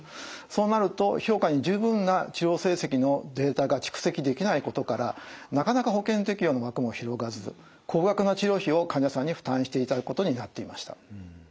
そうなると評価に十分な治療成績のデータが蓄積できないことからなかなか保険適用の枠も広がらず高額な治療費を患者さんに負担していただくことになっていました。